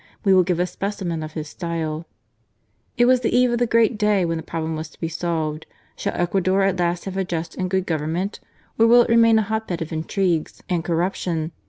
We will give a specimen of his style : It was the eve of the great day when the problem was to be solved. Shall Ecuador at last have a just and good Government ? or will it remain a hot bed of intrigues and corruption?